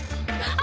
あ。